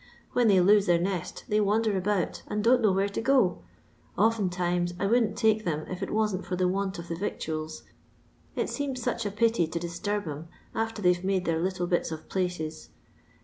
When they lose their nest they wander about, and don't know where to go. Oftentimes I wouldn't take them if it wasn't for the want of the victuals, it seems snch a pity to disturb 'em after they 've made their little bits of places.